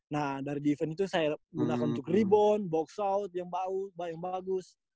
nah dari event itu saya gunakan untuk rebound box hout yang bagus